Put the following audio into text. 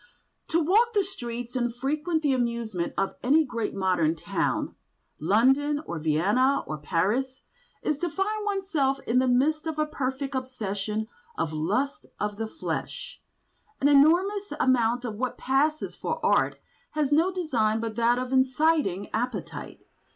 To walk the streets and frequent the amusements of any great modern town—London or Vienna or Paris—is to find oneself in the midst of a perfect obsession of the lusts of the flesh. An enormous amount of what passes for art has no design but that of inciting appetite.